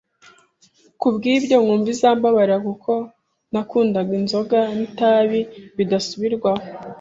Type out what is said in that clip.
ku bw’ibyo nkumva izambabarira kuko nakundaga inzoga n’itabi bidasubirwaho.